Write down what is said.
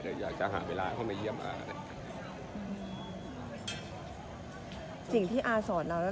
แต่อยากจะหาเวลาเข้ามาเยี่ยมอาอะไรสิ่งที่อาสอนเราแล้ว